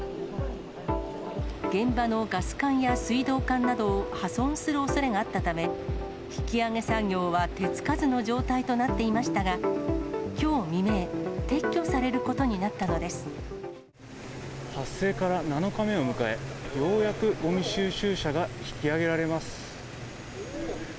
現場のガス管や水道管などを破損するおそれがあったため、引き上げ作業は手つかずの状態となっていましたが、きょう未明、発生から７日目を迎え、ようやくごみ収集車が引き上げられます。